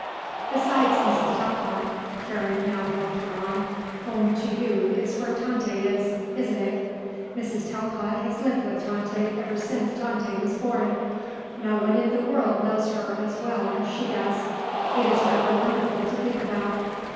"Besides, Mrs. Talcott," Karen now helped her on, "home to you is where Tante is, isn't it. Mrs. Talcott has lived with Tante ever since Tante was born. No one in the world knows her as well as she does. It is rather wonderful to think about."